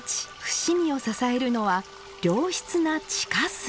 伏見を支えるのは良質な地下水。